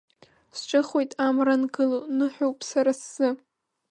Сҿыхоит амра ангыло, ныҳәоуп сара сзы.